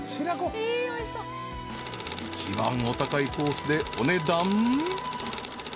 ［一番お高いコースでお値段］